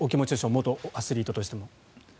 元アスリートとしても。